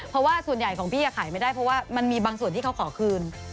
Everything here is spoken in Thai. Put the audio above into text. เพราะว่าส่วนใหญ่ของพี่ขายไม่ได้เพราะว่ามันมีบางส่วนที่เขาขอคืน